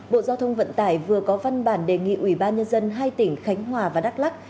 bộ giao thông vận tải vừa có văn bản đề nghị ủy ban nhân dân hai tỉnh khánh hòa và đắk lắc